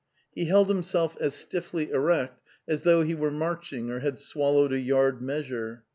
He held himself as stiffly erect as though he were marching or had swallowed a yard measure.